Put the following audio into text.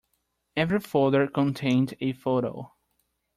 Every folder contained a photo.